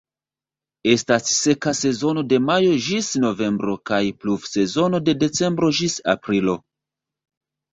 Estas seka sezono de majo ĝis novembro kaj pluvsezono de decembro ĝis aprilo.